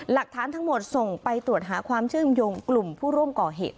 หลักฐานทั้งหมดส่งไปตรวจหาความเชื่อมโยงกลุ่มผู้ร่วมก่อเหตุ